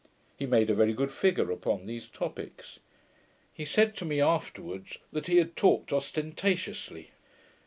He made a very good figure upon these topicks. He said to me afterwards, that he had talked OSTENTATIOUSLY.